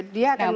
dia akan mudah